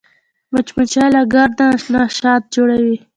مچمچۍ له ګرده نه شات جوړوي